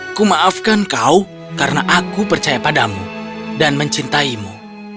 aku meminta maaf karena aku percaya padamu dan mencintaimu